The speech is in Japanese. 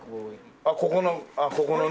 あっここのここのね。